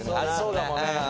そうだもんねうん。